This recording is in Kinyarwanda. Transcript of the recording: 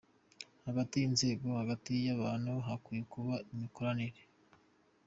Hagati y’ inzego, hagati y’ abantu hakwiye kuba imikoranire.